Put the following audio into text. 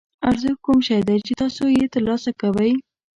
ارزښت کوم شی دی چې تاسو یې ترلاسه کوئ.